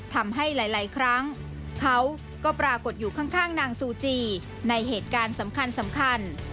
ทำให้หลายครั้งเขาก็ปรากฏอยู่ข้างนางซูจีในเหตุการณ์สำคัญ